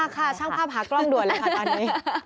ค่ะช่างภาพหากล้องด่วนเลยค่ะตอนนี้